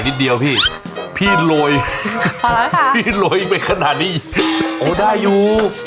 นิดเดียวพี่พี่โรยพี่โรยไปขนาดนี้โอ้ได้อยู่